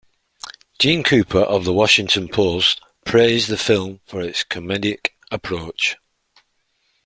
Jeanne Cooper of "The Washington Post" praised the film for its comedic approach.